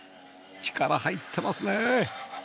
力入ってますね！